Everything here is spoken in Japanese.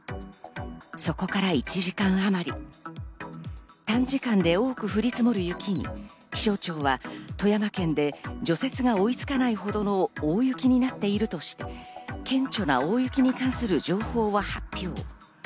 そこから１時間あまり、短時間で多く降り積もる雪に気象庁は富山県で除雪が追いつかないほどの大雪になっているとして、顕著な大雪に関する情報を発表。